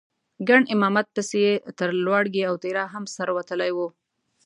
ګنې امامت پسې یې تر لواړګي او تیرا هم سر وتلی و.